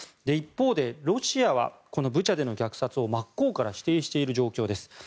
一方で、ロシアはこのブチャでの虐殺を真っ向から否定している状況です。